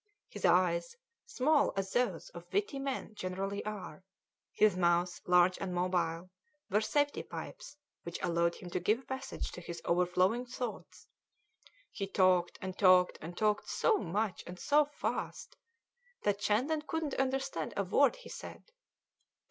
His eyes, small as those of witty men generally are, his mouth, large and mobile, were safety pipes which allowed him to give passage to his overflowing thoughts; he talked, and talked, and talked so much and so fast that Shandon couldn't understand a word he said.